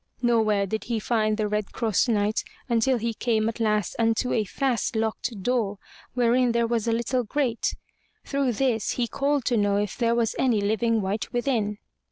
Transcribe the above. Nowhere did he find the Red Cross Knight until he came at last unto a fast locked door, wherein there was a little grate. Through this, he called to know if there was any living wight within.